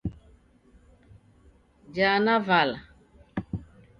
Jaa na vala.